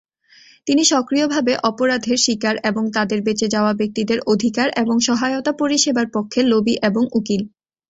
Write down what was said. তিনি সক্রিয়ভাবে অপরাধের শিকার এবং তাদের বেঁচে যাওয়া ব্যক্তিদের অধিকার এবং সহায়তা পরিষেবার পক্ষে লবি এবং উকিল।